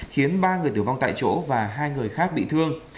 khiến ba người tử vong tại chỗ và hai người khác bị thương